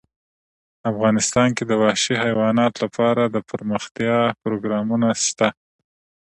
افغانستان کې د وحشي حیوانات لپاره دپرمختیا پروګرامونه شته.